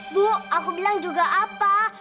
bu aku bilang juga apa